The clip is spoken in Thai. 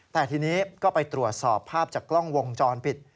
แต่ทีนี้ก็ไปตรวจสอบภาพจากกล้องวงจรปิด